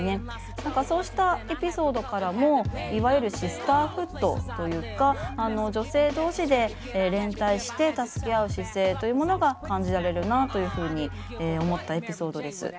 何かそうしたエピソードからもいわゆるシスターフッドというか女性同士で連帯して助け合う姿勢というものが感じられるなというふうに思ったエピソードです。